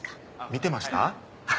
見てました？